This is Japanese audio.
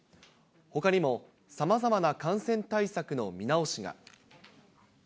ほかにも、さまざまな感染対策の見直しが。